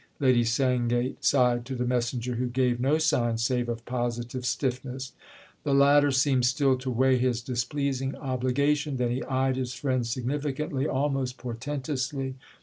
Lady Sandgate sighed to the messenger, who gave no sign save of positive stiffness. The latter seemed still to weigh his displeasing obligation; then he eyed his friend significantly—almost portentously.